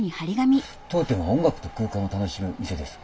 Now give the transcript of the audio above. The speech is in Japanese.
「当店は音楽と空間を楽しむ店です。